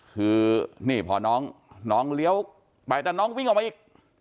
คือนี่พอน้องเลี้ยวไปแต่น้องวิ่งออกมาอีก